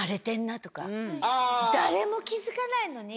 誰も気付かないのに。